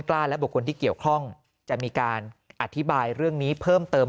กล้าและบุคคลที่เกี่ยวข้องจะมีการอธิบายเรื่องนี้เพิ่มเติม